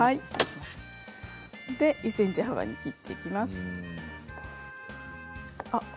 それで１ｃｍ幅に切っていきます。